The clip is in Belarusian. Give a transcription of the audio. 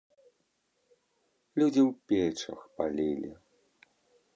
Людзі ў печах палілі.